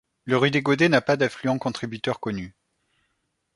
Le Ru des Godets n'a pas d'affluent contributeur connu.